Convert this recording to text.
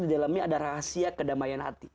di dalamnya ada rahasia kedamaian hati